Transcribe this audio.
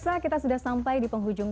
pemirsa kita sudah sampai di penghujung